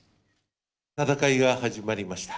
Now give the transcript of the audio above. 戦いが始まりました。